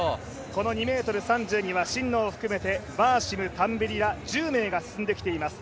この２ｍ３０には真野を含めて、バーシム、タンベリ、１０名が進んできています。